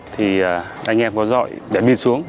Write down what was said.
thì anh em có dọi để đi xuống